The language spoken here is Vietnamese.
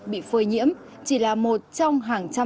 bị phơi nhiễm chỉ là một trong hai câu chuyện